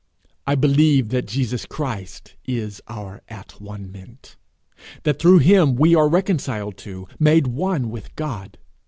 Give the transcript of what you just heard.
I believe that Jesus Christ is our atonement; that through him we are reconciled to, made one with God.